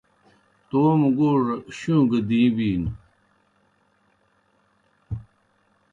توموْ گوڙہ شُوں گی دِیں بِینوْ